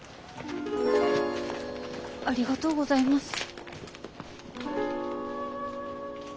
ありがとうございます。